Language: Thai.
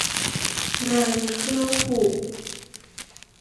เรือนเครื่องผูก